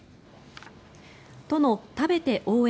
都の、食べて応援！